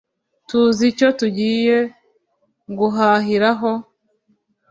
tuzi icyo tugiye guhahiraho!